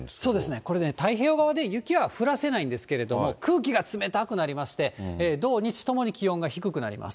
これ、太平洋側で雪は降らせないんですけれども、空気が冷たくなりまして、土日ともに気温が低くなります。